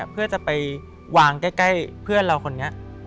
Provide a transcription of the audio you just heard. เพื่อจะไปวางใกล้เพื่อนเราคนนี้